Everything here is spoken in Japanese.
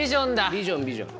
ビジョンビジョン。